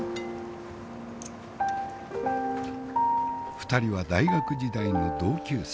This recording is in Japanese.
２人は大学時代の同級生。